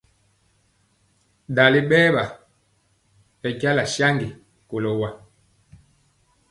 Dali bɛɛwa bɛnja saŋgi kɔlo wa.